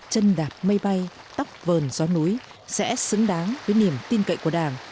chân đạp mây bay tóc vườn gió núi sẽ xứng đáng với niềm tin cậy của đảng